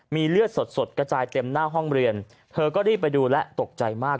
มีเลือดสดกระจายเต็มหน้าห้องเรียนเธอก็รีบไปดูและตกใจมาก